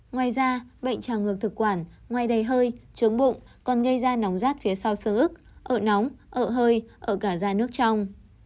ngoài ra bệnh trào ngược thực quản ngoài đầy hơi trướng bụng còn gây ra nóng rát phía sau sương ức ợ nóng ợ hơi ợ cả da nước trong